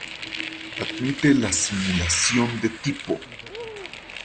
Admite la simulación de tipo.